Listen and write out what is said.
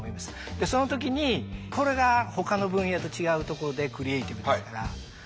でその時にこれがほかの分野と違うとこでクリエイティブですから。